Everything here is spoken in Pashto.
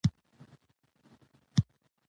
اداري عدالت د وګړو باور ساتي.